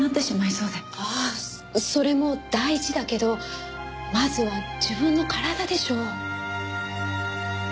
あそれも大事だけどまずは自分の体でしょう。